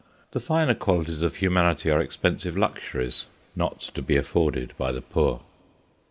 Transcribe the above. The finer qualities of humanity are expensive luxuries, not to be afforded by the poor.